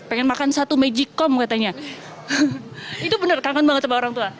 pengen makan satu magicom katanya itu bener kangen banget sama orang tua